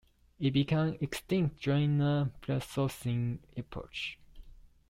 It became extinct during the Pleistocene Epoch.